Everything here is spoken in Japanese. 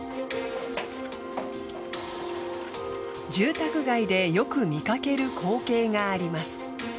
住宅街でよく見かける光景があります。